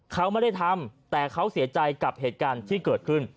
เขาไม่ได้ทำแต่เขาเสียใจกับเหตุการณ์ที่เกิดขึ้น